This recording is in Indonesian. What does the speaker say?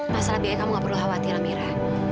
masalah biaya kamu gak perlu khawatir mira